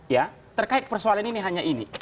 ya terkait persoalan ini hanya ini